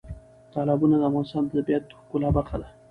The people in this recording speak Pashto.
تالابونه د افغانستان د طبیعت د ښکلا برخه ده.